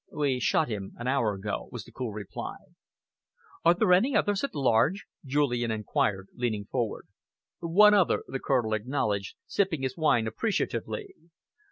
"We shot him an hour ago," was the cool reply. "Are there any others at large?" Julian enquired, leaning forward. "One other," the Colonel acknowledged, sipping his wine appreciatively.